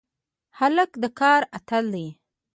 هلک د کار اتل دی.